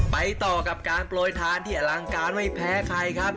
ไปต่อกับการโปรยทานที่อลังการไม่แพ้ใครครับ